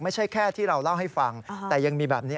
ไม่ใช่แค่ที่เราเล่าให้ฟังแต่ยังมีแบบนี้